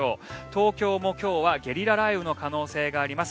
東京も今日はゲリラ雷雨の可能性があります。